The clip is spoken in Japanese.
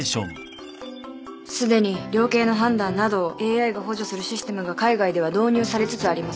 すでに量刑の判断などをＡＩが補助するシステムが海外では導入されつつあります。